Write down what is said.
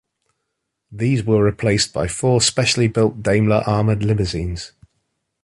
These were replaced by four specially built Daimler armoured limousines.